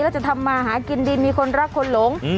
แล้วจะทำมาหากินดีมีคนรักคนหลง